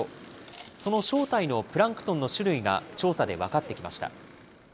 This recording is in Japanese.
その正体のプランクトンの種類が調査で分かってきました。